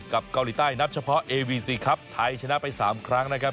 เกาหลีใต้นับเฉพาะเอวีซีครับไทยชนะไป๓ครั้งนะครับ